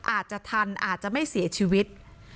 อาจจะทันอาจจะไม่เสียชีวิต